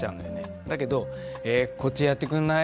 だけど「こっちやってくんない？」